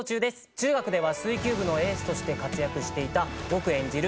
中学では水球部のエースとして活躍していた僕演じる